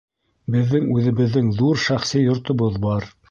Беҙҙең үҙебеҙҙең ҙур шәхси йортобоҙ бар